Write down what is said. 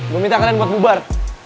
gue minta kalian buat bubar